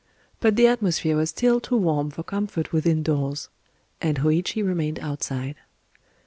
But the atmosphere was still too warm for comfort within doors; and Hōïchi remained outside.